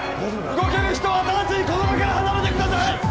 動ける人は直ちにこの場から離れてください！